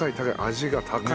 味が高い。